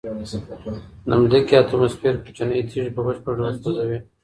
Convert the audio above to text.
د ځمکې اتموسفیر کوچنۍ تیږې په بشپړ ډول سوځوي.